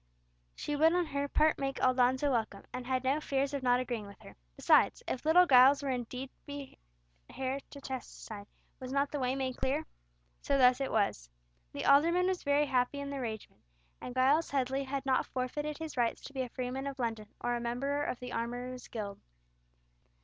She would on her part make Aldonza welcome, and had no fears of not agreeing with her. Besides—if little Giles were indeed to be heir to Testside was not the way made clear? So thus it was. The alderman was very happy in the arrangement, and Giles Headley had not forfeited his rights to be a freeman of London or a member of the Armourers' Guild.